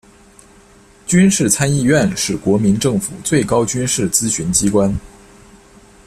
军事参议院是国民政府最高军事咨询机关。